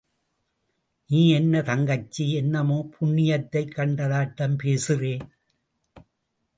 நீ என்ன தங்கச்சி, என்னமோ புண்ணியத்தைக் கண்டதாட்டம் பேசுறே?...